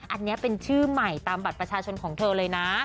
อันนี้เป็นชื่อใหม่ตามบัตรประชาชนของเธอเลยนะ